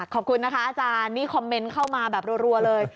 ขอบคุณนะคะอาจารย์นี่คอมเมนต์เข้ามาแบบรัวเลย